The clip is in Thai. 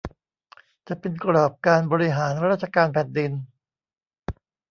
จะเป็นกรอบการบริหารราชการแผ่นดิน